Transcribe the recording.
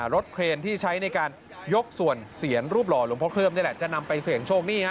รถเครนที่ใช้ในการยกส่วนเสียนรูปหล่อหลวงพ่อเคลือบนี่แหละจะนำไปเสี่ยงโชคนี่ฮะ